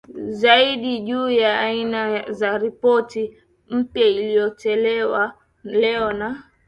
zaidi juu ya aina za Ripoti mpya iliyotolewa leo na